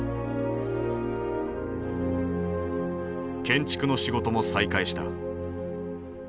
建築の仕事も再開した。